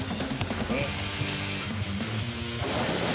えっ？